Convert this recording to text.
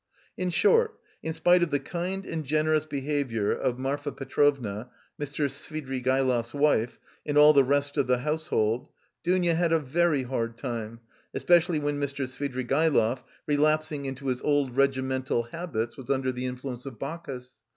In short, in spite of the kind and generous behaviour of Marfa Petrovna, Mr. Svidrigaïlov's wife, and all the rest of the household, Dounia had a very hard time, especially when Mr. Svidrigaïlov, relapsing into his old regimental habits, was under the influence of Bacchus.